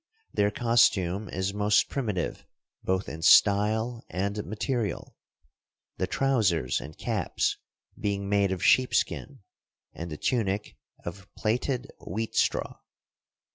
Their costume is most primitive both in style and material; the trousers and caps being made of sheepskin and the tunic of plaited wheat straw.